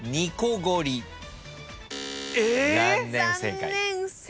残念不正解。